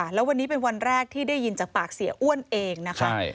แล้ววันนี้เป็นวันแรกที่ได้ยินจากปากเสียอ้วนเองนะคะ